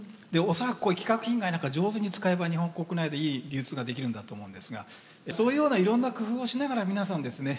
恐らく規格品外なんか上手に使えば日本国内でいい流通ができるんだと思うんですがそういうようないろんな工夫をしながら皆さんですね